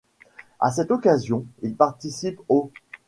À cette occasion, il participe au '.